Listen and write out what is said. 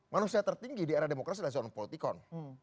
manusia tertinggi di era demokrasi adalah seorang politikon